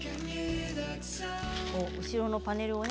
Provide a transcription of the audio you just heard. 後ろのパネルをね